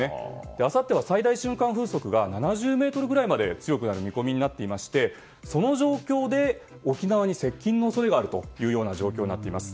あさっては最大瞬間風速が７０メートルぐらいまで強くなる見込みになっていてその状況で沖縄に接近の恐れがある状況になっています。